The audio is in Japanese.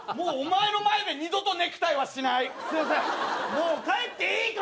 もう帰っていいかな？